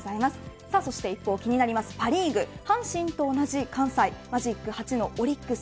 そして一方気になりますパ・リーグ阪神と同じ関西マジック８のオリックス